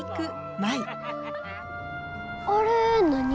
あれ何？